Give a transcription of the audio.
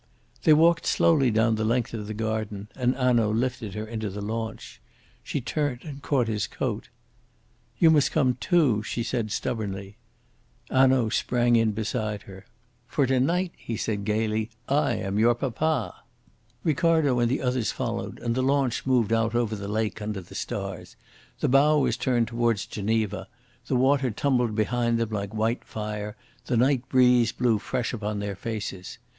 They walked slowly down the length of the garden, and Hanaud lifted her into the launch. She turned and caught his coat. "You must come too," she said stubbornly. Hanaud sprang in beside her. "For to night," he said gaily, "I am your papa!" Ricardo and the others followed, and the launch moved out over the lake under the stars. The bow was turned towards Geneva, the water tumbled behind them like white fire, the night breeze blew fresh upon their faces.